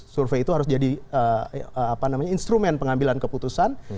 survei itu harus jadi apa namanya instrumen pengambilan keputusan